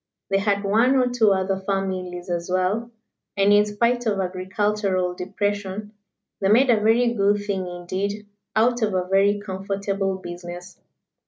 They had one or two other families as well, and in spite of agricultural depression, they made a very good thing indeed out of a very comfortable business.